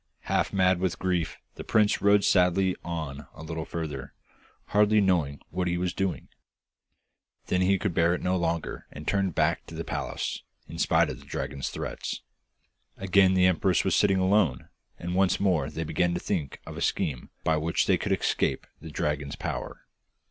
Half mad with grief, the prince rode sadly on a little further, hardly knowing what he was doing. Then he could bear it no longer and turned back to the palace, in spite of the dragon's threats. Again the empress was sitting alone, and once more they began to think of a scheme by which they could escape the dragon's power.